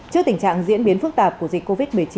trước tình trạng diễn biến phức tạp của dịch covid một mươi chín